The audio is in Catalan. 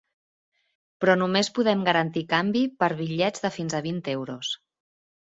Però només podem garantir canvi per bitllets de fins a vint euros.